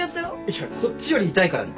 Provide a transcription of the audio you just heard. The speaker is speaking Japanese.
いやこっちより痛いからね。